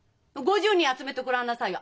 ５０人集めてごらんなさいよ。